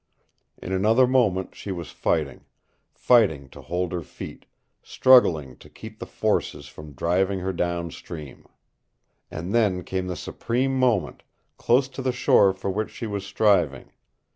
In another moment she was fighting, fighting to hold her feet, struggling to keep the forces from driving her downstream. And then came the supreme moment, close to the shore for which she was striving.